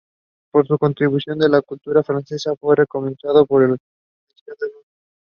He was an officer with the Maryland Volunteers during the American Civil War.